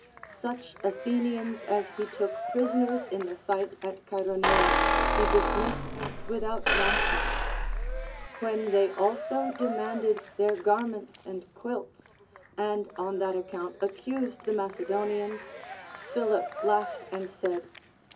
Such Athenians as he took prisoners in the fight at Chae ronea he dismissed without ransom. When they also de manded their garments and quilts, and on that account accused the Macedonians, Philip laughed and said.